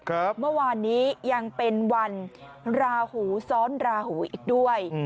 เมื่อวานนี้ยังเป็นวันราหูซ้อนราหูอีกด้วย